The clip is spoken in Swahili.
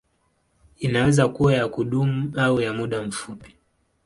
Inaweza kuwa ya kudumu au ya muda mfupi.